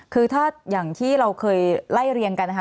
คือถ้าอย่างที่เราเคยไล่เรียงกันนะคะ